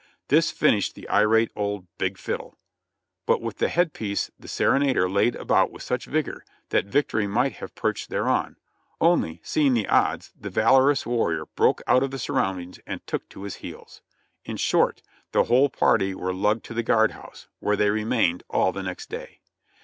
This finished the irate old "big fiddle," but with the head piece the serenader laid about with such vigor that victory might have perched thereon, only, seeing the odds, the val orous warrior broke out of the surroundings and took to his heels ; in short, the whole party were lugged to the guard house, Vv'here they remained all the next day.